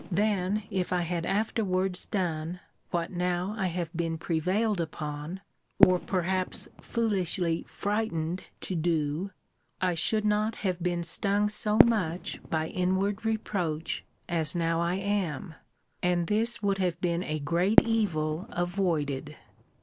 then if I had afterwards done, what now I have been prevailed upon, or perhaps foolishly frightened to do, I should not have been stung so much by inward reproach as now I am: and this would have been a great evil avoided.